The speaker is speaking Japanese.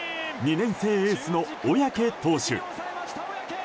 年生エースの小宅投手。